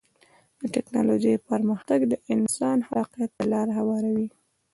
د ټکنالوجۍ پرمختګ د انسان خلاقیت ته لاره هواروي.